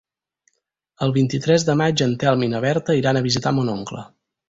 El vint-i-tres de maig en Telm i na Berta iran a visitar mon oncle.